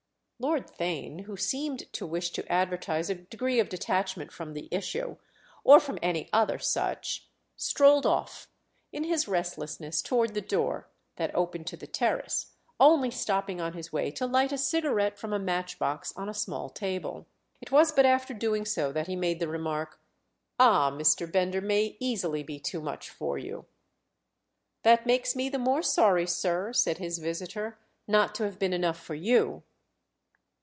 Lord Theign, who seemed to wish to advertise a degree of detachment from the issue, or from any other such, strolled off, in his restlessness, toward the door that opened to the terrace, only stopping on his way to light a cigarette from a matchbox on a small table. It was but after doing so that he made the remark: "Ah, Mr. Bender may easily be too much for you!" "That makes me the more sorry, sir," said his visitor, "not to have been enough for you!"